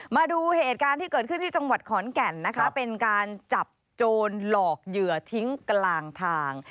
มาดูเหตุการณ์ที่เกิดขึ้นที่จังหวัดขอนแก่นนะคะเป็นการจับโจรหลอกเหยื่อทิ้งกลางทาง